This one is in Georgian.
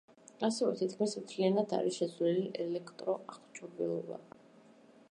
ასევე თითქმის მთლიანად არის შეცვლილი ელექტროაღჭურვილობა.